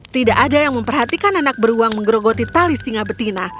tidak ada yang memperhatikan anak beruang menggerogoti tali singa betina